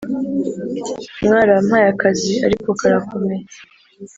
mwarampaye akazi ariko karakomeye